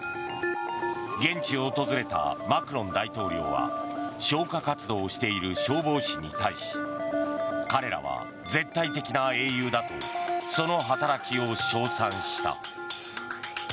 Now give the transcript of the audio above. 現地を訪れたマクロン大統領は消火活動している消防士に対し彼らは絶対的な英雄だとその働きを称賛した。